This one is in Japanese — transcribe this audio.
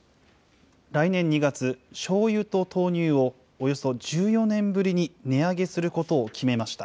来年２月、しょうゆと豆乳をおよそ１４年ぶりに値上げすることを決めました。